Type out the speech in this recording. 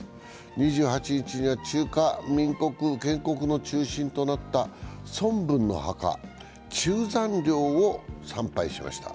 ２８日には、中華民国建国の中心となった孫文の墓、中山陵を参拝しました。